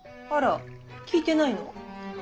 あら聞いてないの？